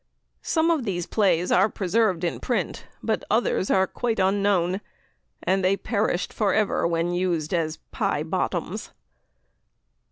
Some of these "Playes" are preserved in print, but others are quite unknown and perished for ever when used as "pye bottoms."